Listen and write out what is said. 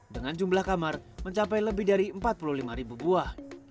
dengan jumlah kamar mencapai lebih dari empat puluh lima ribu buah